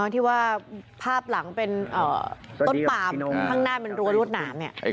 ที่ว่าภาพหลังเป็นต้นปามข้างหน้าเป็นรั้วรวดหนามเนี่ย